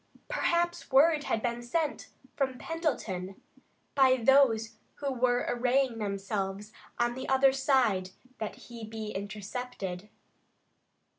Perhaps word had been sent from Pendleton by those who were arraying themselves on the other side that he be intercepted.